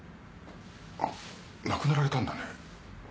亡くなられたんだね。